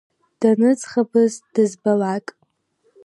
Даныӡӷабыз дызбалак!